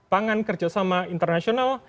pangan kerjasama internasional